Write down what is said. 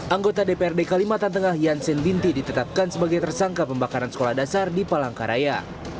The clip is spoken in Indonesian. anggota dprd kalimantan tengah janssen binti ditetapkan sebagai tersangka pembakaran sekolah dasar di palangkaraya